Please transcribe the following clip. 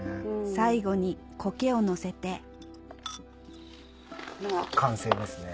最後にコケをのせて完成ですね。